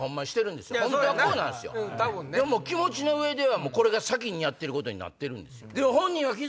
でも気持ちの上ではこれが先にやってることになってるんです。